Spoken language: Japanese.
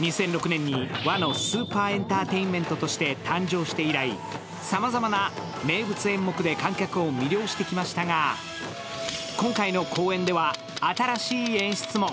２００６年の和のスーパーエンターテインメントとして誕生して以来、さまざまな名物演目で観客を魅了してきましたが、今回の公演では新しい演出も。